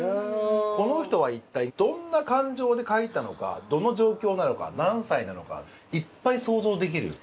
この人は一体どんな感情で書いたのかどの状況なのか何歳なのかいっぱい想像できる。